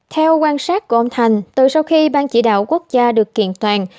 theo quan sát của ông thành từ sau khi ban chỉ đạo quốc gia được kiện toàn